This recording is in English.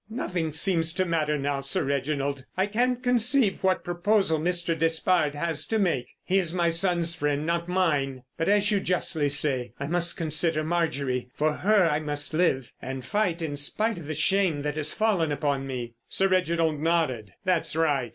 "Nothing seems to matter now, Sir Reginald. I can't conceive what proposal Mr. Despard has to make. He is my son's friend, not mine. But as you justly say, I must consider Marjorie. For her I must live and fight in spite of the shame that has fallen upon me." Sir Reginald nodded. "That's right.